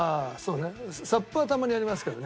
ＳＵＰはたまにやりますけどね。